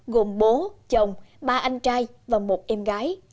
gồm bố chồng ba anh trai và một em gái